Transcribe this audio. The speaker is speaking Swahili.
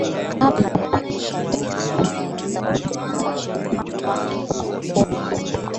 Kabla yake Yesu alihimiza wote wafuate mfano wake wa upole na